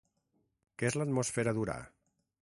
Què és l'atmosfera d'Urà?